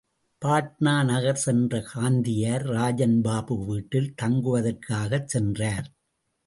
பாட்னா நகர் சென்ற காந்தியார், ராஜன் பாபு வீட்டில் தங்குவதற்காக சென்றார்.